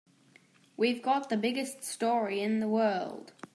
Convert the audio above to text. We've got the biggest story in the world.